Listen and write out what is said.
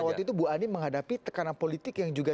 waktu itu bu ani menghadapi tekanan politik yang juga